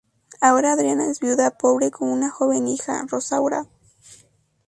Ahora Adriana es viuda, pobre y con una joven hija, Rosaura.